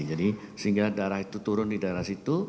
jadi sehingga darah itu turun di daerah situ